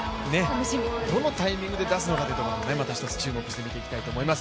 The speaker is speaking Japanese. どのタイミングで出すのかもまた一つ注目して見ていきたいと思います。